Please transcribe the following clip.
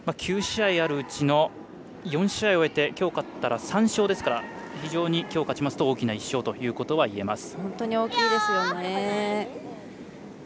９試合あるうちの４試合を終えてきょう、勝ったら３勝ですから非常にきょう勝ちますと大きな１勝といえます。